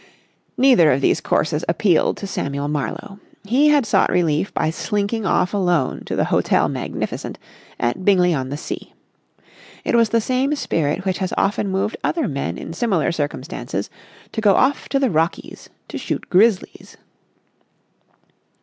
Neither of these courses appealed to Samuel Marlowe. He had sought relief by slinking off alone to the Hotel Magnificent at Bingley on the Sea. It was the same spirit which has often moved other men in similar circumstances to go off to the Rockies to shoot grizzlies.